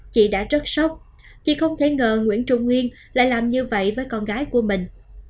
chị đã rất sốc chị không thể ngờ nguyễn trung nguyên lại làm như vậy với con gái của mình